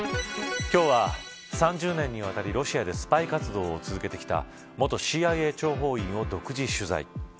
今日は、３０年にわたりロシアでスパイ活動を続けてきた元ＣＩＡ諜報員を独自取材。